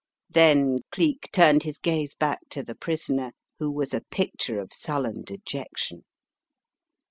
Then Geek turned his gaze back to the prisoner, who was a picture of sullen dejection.